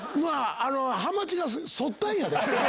ハマチが反ったんやで。